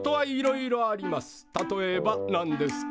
例えばなんですか？